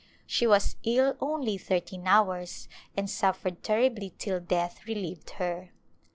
She was ill only thirteen hours and suffered terribly till death relieved her.